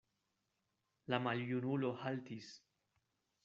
La maljunulo haltis.